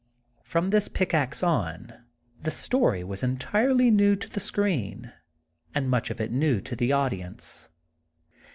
From this pickaxe on, the story was entirely new to the screen, and much of it new to the audience.